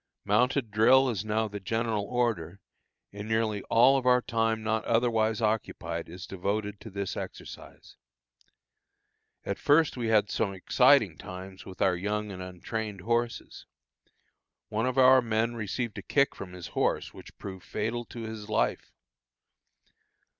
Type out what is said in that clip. Mounted drill is now the general order, and nearly all our time not otherwise occupied is devoted to this exercise. At first we had some exciting times with our young and untrained horses. One of our men received a kick from his horse which proved fatal to his life.